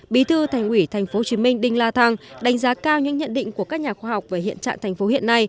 bí thư thành ủy tp hcm đinh la thăng đánh giá cao những nhận định của các nhà khoa học về hiện trạng tp hcm